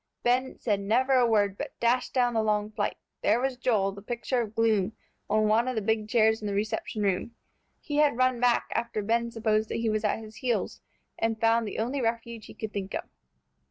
Ben said never a word, but dashed down the long flight. There was Joel, the picture of gloom, on one of the big chairs in the reception room. He had run back, after Ben supposed that he was at his heels, and found the only refuge he could think of.